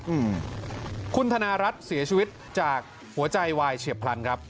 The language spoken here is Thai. อืมคุณธนารัฐเสียชีวิตจากหัวใจวายเฉียบพลันครับ